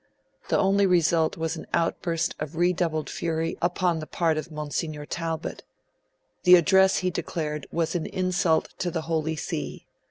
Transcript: The only result was an outburst of redoubled fury upon the part of Monsignor Talbot. The address, he declared, was an insult to the Holy See.